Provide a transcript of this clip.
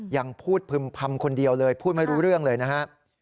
ยังพูดพึ่มพำคนเดียวเลยพูดไม่รู้เรื่องเลยนะฮะ